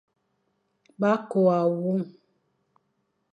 Ba kôa won.